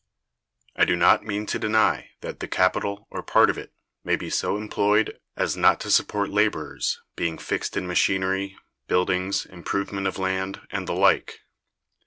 I do not mean to deny that the capital, or part of it, may be so employed as not to support laborers, being fixed in machinery, buildings, improvement of land, and the like.